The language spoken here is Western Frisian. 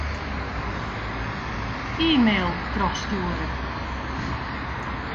E-mail trochstjoere.